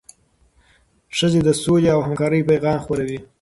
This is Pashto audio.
ښځې د سولې او همکارۍ پیغام خپروي.